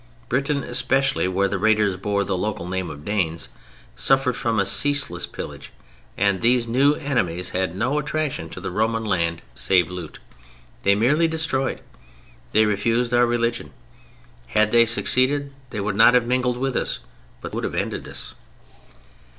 Britain especially (where the raiders bore the local name of "Danes") suffered from a ceaseless pillage, and these new enemies had no attraction to the Roman land save loot. They merely destroyed. They refused our religion. Had they succeeded they would not have mingled with us, but would have ended us.